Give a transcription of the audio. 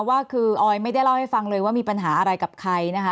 ว่าคือออยไม่ได้เล่าให้ฟังเลยว่ามีปัญหาอะไรกับใครนะคะ